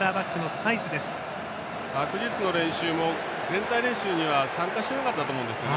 昨日の練習も全体練習には参加していなかったですね